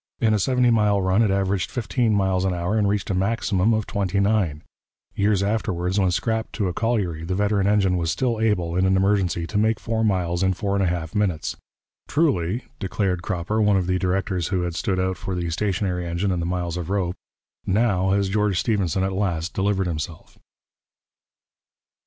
In a seventy mile run it averaged fifteen miles an hour and reached a maximum of twenty nine. Years afterwards, when scrapped to a colliery, the veteran engine was still able, in an emergency, to make four miles in four and a half minutes. 'Truly,' declared Cropper, one of the directors who had stood out for the stationary engine and the miles of rope, 'now has George Stephenson at last delivered himself.'